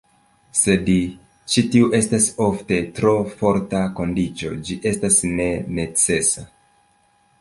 Sed ĉi tiu estas ofte tro forta kondiĉo, ĝi estas ne "necesa".